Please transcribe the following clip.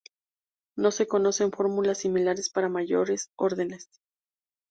No se conocen fórmulas similares para mayores órdenes.